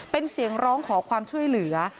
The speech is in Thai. เป็นเสียงร้องขอความช่วยเหลือ